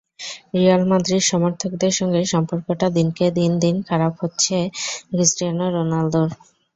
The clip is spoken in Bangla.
রিয়াল মাদ্রিদ সমর্থকদের সঙ্গে সম্পর্কটা দিনকে দিন দিন খারাপই হচ্ছে ক্রিস্টিয়ানো রোনালদোর।